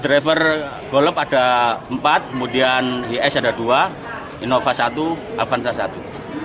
driver golf ada empat kemudian is ada dua inova satu avanza satu